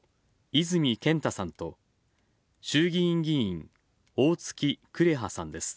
泉健太さんと、衆議院議員おおつき紅葉さんです。